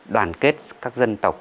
đoàn kết các dân tộc